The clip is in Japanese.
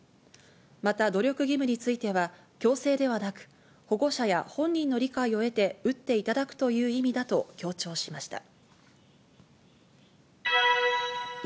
また努力義務については、強制ではなく、保護者や本人の理解を得て打っていただくという意味だと強調しました。